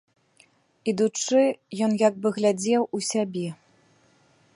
Ідучы, ён як бы глядзеў у сябе.